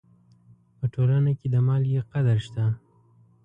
په ټولنه کې د مالګې قدر شته.